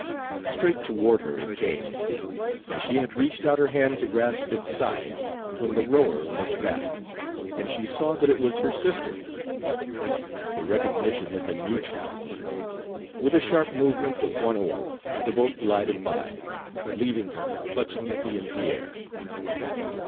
Straight toward her it came, and she had reached out her hand to grasp its side, when the rower looked back, and she saw that it was her sister. The recognition had been mutual. With a sharp movement of one oar the boat glided by, leaving her clutching at the empty air.